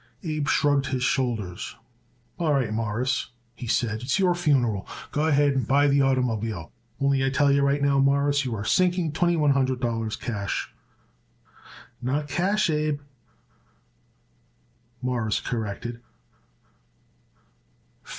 Abe shrugged his shoulders. "All right, Mawruss," he said. "It's your funeral. Go ahead and buy the oitermobile; only I tell you right now, Mawruss, you are sinking twenty one hundred dollars cash." "Not cash, Abe," Morris corrected.